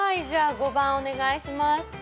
じゃあ５番お願いします。